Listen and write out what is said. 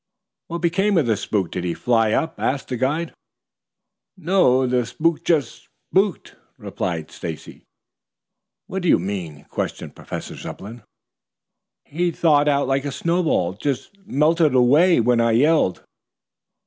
"What became of the spook? Did he fly up?" asked the guide. "No, the spook just spooked," replied Stacy. "How do you mean?" questioned Professor Zepplin. "He thawed out like a snowball, just melted away when I yelled."